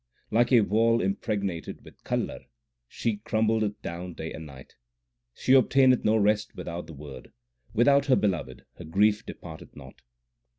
Like a wall impregnated with kallar she crumbleth down day and night. She obtaineth no rest without the Word ; without her Beloved her grief departeth not.